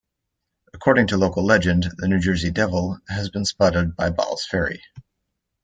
According to local legend, the New Jersey Devil has been spotted by Ball's Ferry.